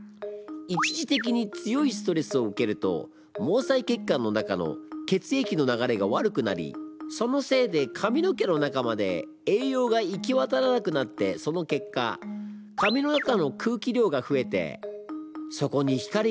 一時的に強いストレスを受けると毛細血管の中の血液の流れが悪くなりそのせいで髪の毛の中まで栄養が行きわたらなくなってその結果そうなのね。